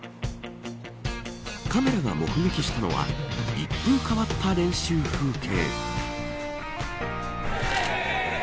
カメラが目撃したのは一風変わった練習風景。